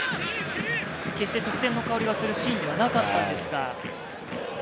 決して得点の香りがするシーンではなかったんですが。